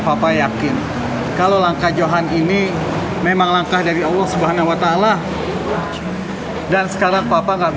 papa yakin kalau langkah johan ini memang langkah dari allah subhanahu wa ta'ala dan sekarang papa